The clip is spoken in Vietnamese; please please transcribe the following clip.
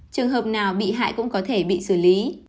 trường hợp nào bị hại cũng có thể bị xử lý